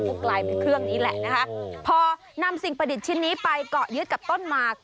ก็กลายเป็นเครื่องนี้แหละนะคะพอนำสิ่งประดิษฐ์ชิ้นนี้ไปเกาะยึดกับต้นหมาก